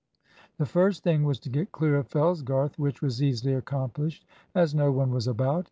The first thing was to get clear of Fellsgarth, which was easily accomplished, as no one was about.